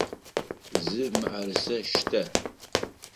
Зы мыӏэрысэ штэ!